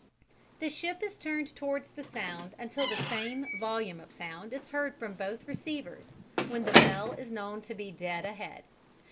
The ship is turned towards the sound until the same volume of sound is heard from both receivers, when the bell is known to be dead ahead.